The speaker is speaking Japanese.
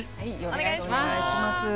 お願いします。